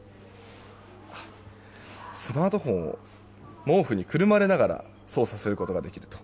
スマートフォンを毛布にくるまれながら操作することができると。